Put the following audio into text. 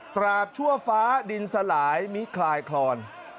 ชั่วฟ้าดินสลายมิคลายคลอน